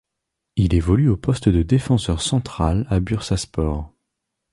Il évolue au poste de défenseur central à Bursaspor.